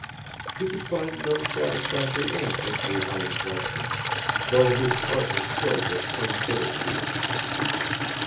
He could find no satisfactory answer to his own question, though his heart was filled with some bitter feeling.